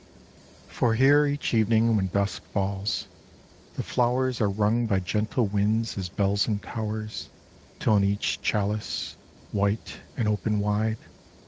For here each evening when dusk falls, the flowers Are rung by gentle winds as bells in towers Till in each chalice, white and open wide.